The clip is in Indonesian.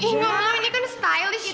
ih gak mau ini kan stylish itu